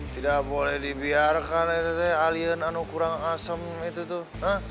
tidak boleh dibiarkan alien kurang asem itu tuh